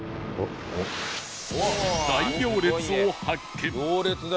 大行列を発見！